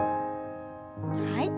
はい。